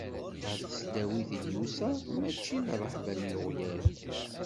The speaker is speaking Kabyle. Ɣer tesdawit i d-yusa, mačči d rreḥba n yeɣyal.